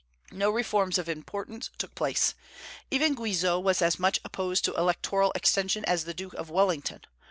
No reforms of importance took place. Even Guizot was as much opposed to electoral extension as the Duke of Wellington.